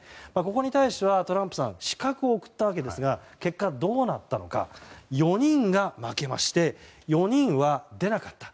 ここに対してはトランプさん刺客を送ったのですが結果は４人が負けまして４人は出なかった。